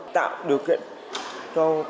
tạo điều kiện cho